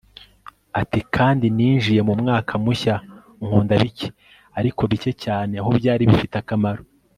ati: kandi ninjiye mu mwaka mushya nkunda bike, ariko bike cyane aho byari bifite akamaro